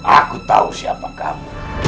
aku tahu siapa kamu